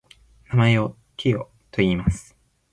名前をテョといいます。